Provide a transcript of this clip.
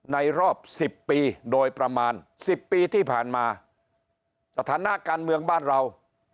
ในรอบสิบปีโดยประมาณสิบปีที่ผ่านมาสถานะการเมืองบ้านเรา